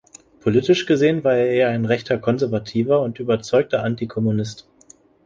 Politisch gesehen war er eher ein „rechter Konservativer“ und überzeugter Antikommunist.